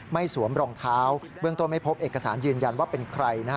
ไม่สวมรองเท้าเบื้องโตไม่พบเอกสารยืนยันว่าเป็นใคร